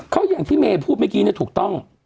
เขาอย่างที่เมย์พูดเมื่อกี้เนี่ยถูกต้อง